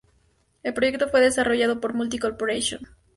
El proyecto fue desarrollado por Multi Corporation.